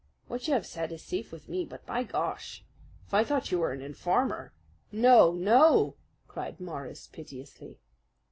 What you have said is safe with me; but, by Gar! if I thought you were an informer " "No, no!" cried Morris piteously.